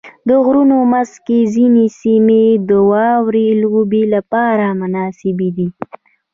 د غرونو منځ کې ځینې سیمې د واورې لوبو لپاره مناسبې دي.